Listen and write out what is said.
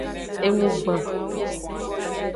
Enugban.